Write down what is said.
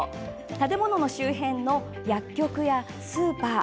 建物の周辺の薬局やスーパー